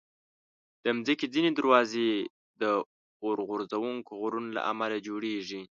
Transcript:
د مځکې ځینې دروازې د اورغورځونکو غرونو له امله جوړېږي.